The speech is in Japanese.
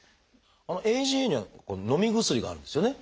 ＡＧＡにはのみ薬があるんですよね？